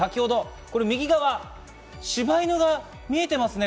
右側、柴犬が見えてますね。